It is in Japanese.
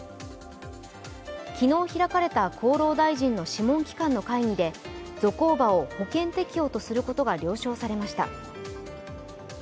昨日開かれた厚労大臣の諮問機関の会議でゾコーバを保険適用とすることが了承されました。